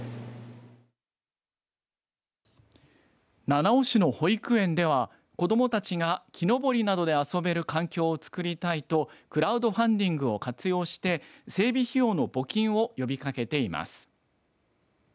七尾市の保育園では子どもたちが木登りなどで遊べる環境をつくりたいとクラウドファンディングを活用して、整備費用の募金を呼びかけています。